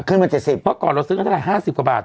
ขึ้นมาเจ็ดสิบเพราะก่อนเราซื้อกันเท่าไรห้าสิบกว่าบาท